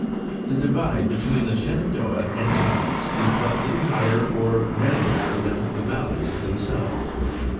The divide between the Areas unreduced. 87 Shenandoah and James is but little higher or narrower than the valleys themselves.